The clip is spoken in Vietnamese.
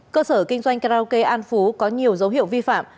cơ sở kinh doanh karaoke an phú có nhiều dấu hiệu vi phạm